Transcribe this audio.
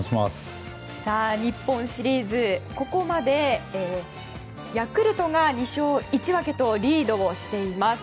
日本シリーズ、ここまでヤクルトが２勝１分けとリードをしています。